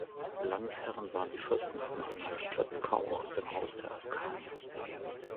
Landesherren waren die Fürsten von Anhalt-Plötzkau aus dem Hause der Askanier.